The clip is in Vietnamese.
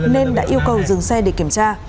nên đã yêu cầu dừng xe để kiểm tra